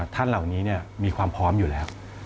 ท่านเหล่านี้มีความพร้อมอยู่แล้ว